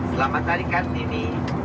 selamat hari kartini